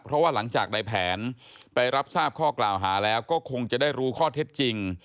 เพราะว่าหลังจากในแผนไปรับทราบข้อกล่าวหาแล้วก็คงจะได้รู้ข้อเท็จจริง